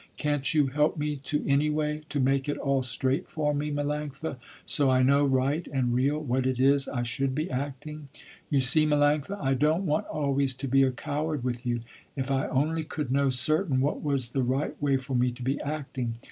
Can't you help me to any way, to make it all straight for me, Melanctha, so I know right and real what it is I should be acting. You see, Melanctha, I don't want always to be a coward with you, if I only could know certain what was the right way for me to be acting.